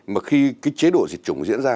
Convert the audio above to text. mà khi cái chế độ diệt chủng diễn ra